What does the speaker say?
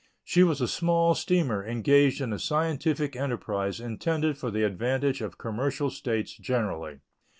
She was a small steamer engaged in a scientific enterprise intended for the advantage of commercial states generally.